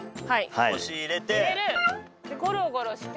でゴロゴロして。